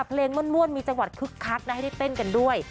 ม่วนมีจังหวัดคึกคักนะให้ได้เต้นกันด้วย